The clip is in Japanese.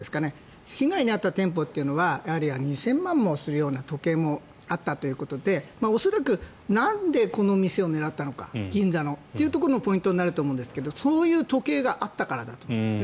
実際、今回は被害に遭った店舗というのは２０００万もするような時計もあったということで恐らくなんでこの店を狙ったのか銀座のというところがポイントになると思うんですがそういう時計があったからだと思います。